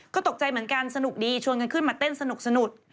ก็ตกใจเหมือนกันสนุกดีชวนกันขึ้นมาเต้นสนุก